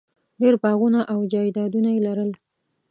ډېر باغونه او جایدادونه یې لرل.